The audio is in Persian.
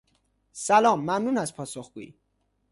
سلام ممنون از پاسخگویی